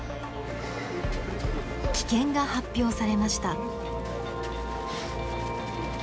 棄権が発表されました。